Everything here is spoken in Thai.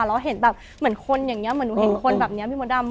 แล้วเห็นแบบเหมือนคนอย่างนี้เหมือนหนูเห็นคนแบบนี้พี่มดดำ